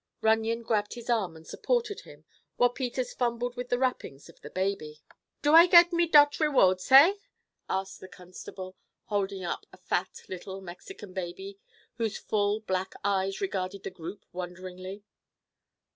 Runyon grabbed his arm and supported him while Peters fumbled with the wrappings of the baby. "Do I gets me dot rewards—heh?" asked the constable, holding up a fat little Mexican baby, whose full black eyes regarded the group wonderingly.